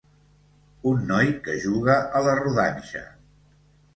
Un noi que juga a la rodanxa.